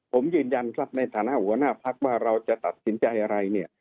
ผมยืนยันในฐานะหัวหน้าภักร์ว่าเราจะตัดสินใจอะไร